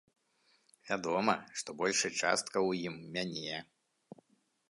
Вядома, што большая частка ў ім мяне.